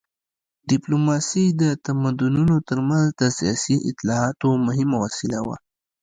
ډیپلوماسي د تمدنونو تر منځ د سیاسي اطلاعاتو مهمه وسیله وه